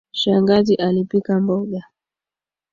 Shangazi alipika mboga.